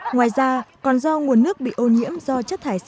ngoài ra còn do nguồn nước bị ô nhiễm do chất thịt